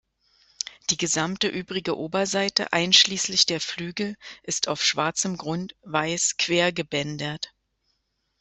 Die gesamte übrige Oberseite einschließlich der Flügel ist auf schwarzem Grund weiß quergebändert.